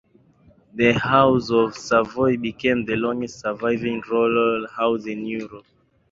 The House of Savoy became the longest surviving royal house in Europe.